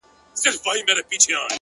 په زړه کي مي خبري د هغې د فريادي وې،